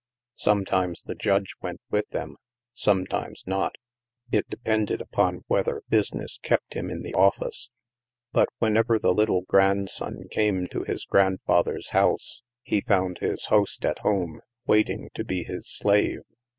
Sometimes the Judge went with them, sometimes not; it depended upon whether business kept him in the office. But whenever the little grandson came to his grandfather's house, he found his host at home, waiting to be his slave.